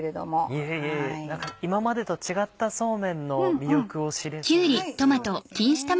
いえいえ何か今までと違ったそうめんの魅力を知れそうです。